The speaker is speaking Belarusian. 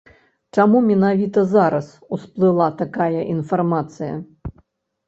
Чаму менавіта зараз усплыла такая інфармацыя?